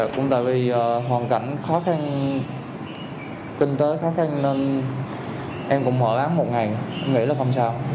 cũng tại vì hoàn cảnh khó khăn kinh tế khó khăn nên em cũng hỏi lắng một ngày nghĩ là không sao